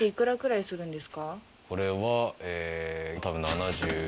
これは多分。